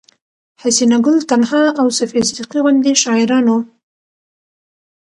حسينه ګل تنها او صفيه صديقي غوندې شاعرانو